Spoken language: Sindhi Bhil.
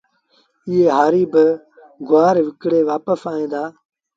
ائيٚݩ هآريٚ با گُوآر وڪڻي وآپس آئي دو